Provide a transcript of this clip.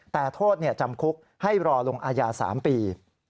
แต่โทษจำคุกให้รอลงอาญา๓ปี